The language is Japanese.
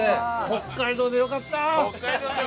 北海道でよかった！